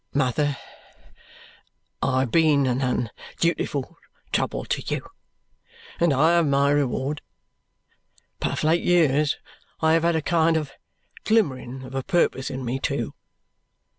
"Mother, I have been an undutiful trouble to you, and I have my reward; but of late years I have had a kind of glimmering of a purpose in me too.